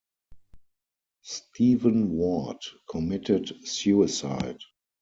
Stephen Ward committed suicide.